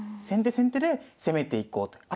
先手先手で攻めていこうと。